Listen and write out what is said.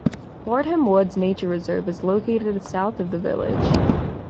Fordham Woods nature reserve is located south of the village.